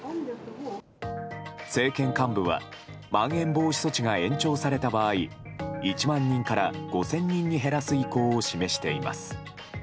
政権幹部は、まん延防止措置が延長された場合１万人から５０００人に減らす意向を示しています。